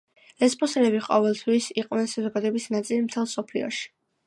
ლესბოსელები ყოველთვის იყვნენ საზოგადოების ნაწილი მთელ მსოფლიოში.